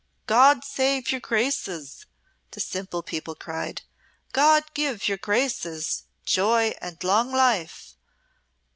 "God save your Graces," the simple people cried. "God give your Graces joy and long life!